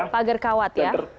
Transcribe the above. pagar kawat ya